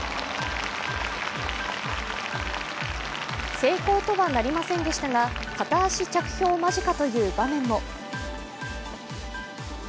成功とはなりませんでしたが片足着氷間近という場面も。